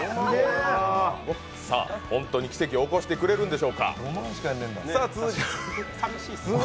さあ、本当に奇跡を起こしてくれるんでしょうか。